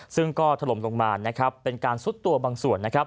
ซึ่งก็ทะลบลงมาเป็นการสู้ตัวบางส่วน